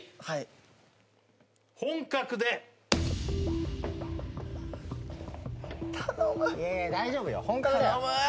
はい「本格」で頼む